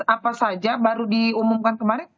apa saja baru diumumkan kemarin